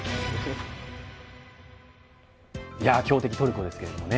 強敵トルコですけれどね。